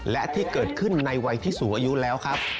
และที่เกิดขึ้นในวัยที่สูงอายุแล้วครับ